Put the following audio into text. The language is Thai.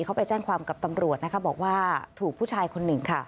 เขาไปแจ้งความกับตำรวจนะคะบอกว่าถูกผู้ชายคนหนึ่งค่ะ